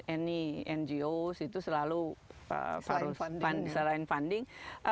any ngo itu selalu selain funding